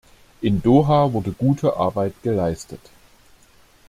In Doha wurde gute Arbeit geleistet.